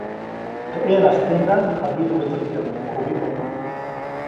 Teʼ ʼeyanas pändaʼm jawyiduʼwätsäjkyaʼmuŋ kubimä.